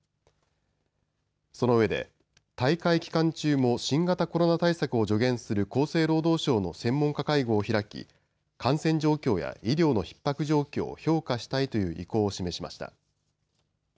そのうえで大会期間中も新型コロナ対策を助言する厚生労働省の専門家会合を開き感染状況や医療のひっ迫状況を評価したいという意向を示しました。